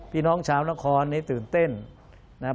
พี่น้องชาวนครนี้ตื่นเต้นนะครับ